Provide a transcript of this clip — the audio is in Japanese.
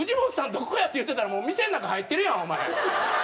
どこや？って言うてたら店の中入ってるやんお前。